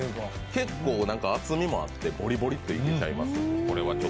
結構、厚みもあってボリボリッといけちゃいます。